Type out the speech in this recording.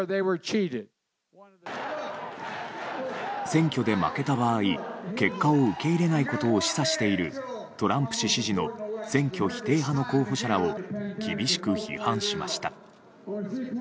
選挙で負けた場合結果を受け入れないことを示唆しているトランプ氏支持の選挙否定派の候補者らを厳しく批判しました。